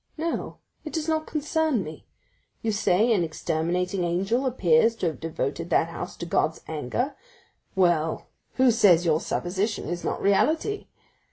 No, it does not concern me. You say an exterminating angel appears to have devoted that house to God's anger—well, who says your supposition is not reality?